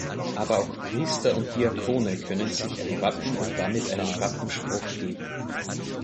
Aber auch Priester und Diakone können sich ein Wappen und damit einen Wappenspruch geben.